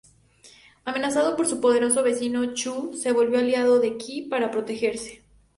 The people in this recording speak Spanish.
Amenazado por su poderoso vecino, Chu, se volvió aliado de Qi para protegerse.